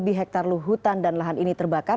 dua hektar luhutan dan lahan ini terbakar